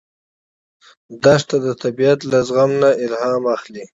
دښته د طبیعت له زغم نه الهام اخلي.